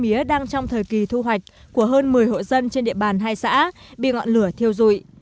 mía đang trong thời kỳ thu hoạch của hơn một mươi hộ dân trên địa bàn hai xã bị ngọn lửa thiêu rụi